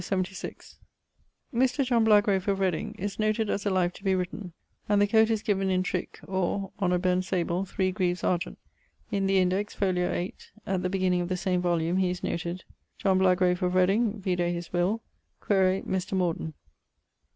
76, 'Mr. John Blagrave of Reding' is noted as a life to be written, and the coat is given in trick 'or, on a bend sable, 3 greaves argent.' In the Index (fol. 8) at the beginning of the same volume he is noted: 'John Blagrave of Reding, vide his will, quaere Mr. Morden.'